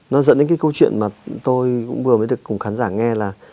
nó dẫn đến cái câu chuyện mà tôi cũng vừa mới được cùng khán giả nghe là